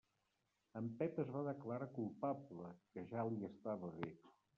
En Pep es va declarar culpable, que ja li estava bé.